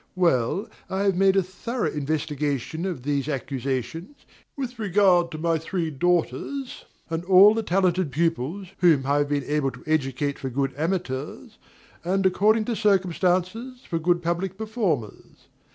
Well, I have made a thorough investigation of these accusations, with regard to my three daughters, and all the talented pupils whom I have been able to educate for good amateurs, and, according to circumstances, for good public performers.